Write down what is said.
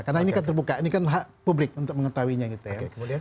karena ini kan terbuka ini kan hak publik untuk mengetahuinya gitu ya